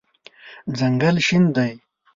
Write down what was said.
ځنګل شین دی